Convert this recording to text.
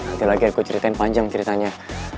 nanti lagi aku ceritain panjang ceritanya